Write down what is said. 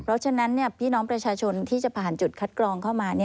เพราะฉะนั้นพี่น้องประชาชนที่จะผ่านจุดคัดกรองเข้ามา